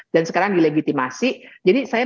dan sekarang dilegitimasi jadi saya